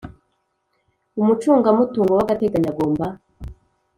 Umucungamutungo w agateganyo agomba